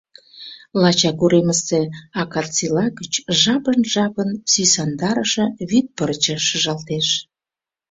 Лачак уремысе акацийла гыч жапын-жапын сӱсандарыше вӱд пырче шыжалтеш.